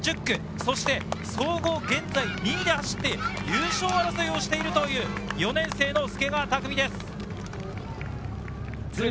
そして総合現在２位で走って優勝争いをしている４年生の助川拓海です。